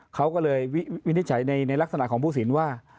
เขาก็เลยวินิจฉัยในลักษณะของผู้สินว่า